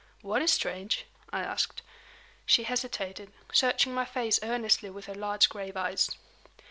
"What is strange?" I asked. She hesitated, searching my face earnestly with her large grave eyes.